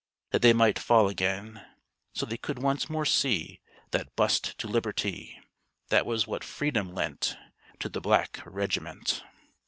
That they might fall again, So they could once more see That bust to liberty! This was what "freedom" lent To the black regiment.